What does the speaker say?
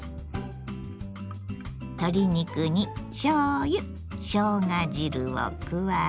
鶏肉にしょうゆしょうが汁を加え。